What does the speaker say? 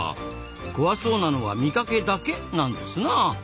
怖そうなのは見かけだけなんですなあ。